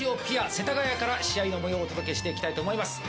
世田谷から試合の模様をお届けしていこうと思います。